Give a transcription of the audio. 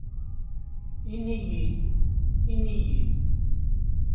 Ini-iyi-d, ini-iyi-d.